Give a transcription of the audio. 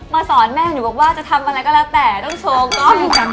สอนแม่หนูบอกว่าจะทำอะไรก็แล้วแต่ต้องโชว์กล้อง